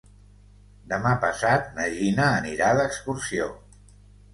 Demà passat na Gina anirà d'excursió.